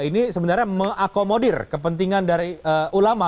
ini sebenarnya mengakomodir kepentingan dari ulama